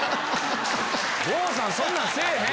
郷さんそんなんせぇへん！